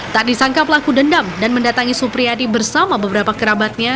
tak disangka pelaku dendam dan mendatangi supriyadi bersama beberapa kerabatnya